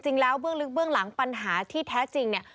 เบื้องลึกเบื้องหลังปัญหาที่แท้จริงเนี่ย